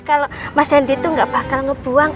kalau mas randy itu gak bakal ngebuang